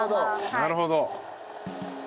なるほど。